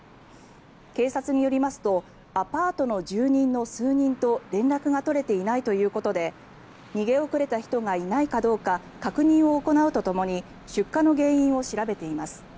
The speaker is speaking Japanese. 警察によりますとアパートの住人の数人と連絡が取れていないということで逃げ遅れた人がいないかどうか確認を行うとともに出火の原因を調べています。